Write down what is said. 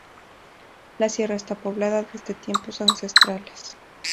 La sierra está poblada desde tiempos ancestrales.